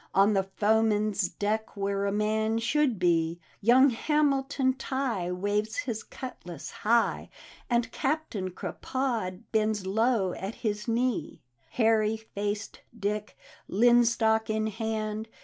On the foeman's deck, where a man should be. Young Hamilton Tighe waves his cutlass high, And Capitaine Crapaud bends low at his knee. Hairy faced Dick, linstock in hand.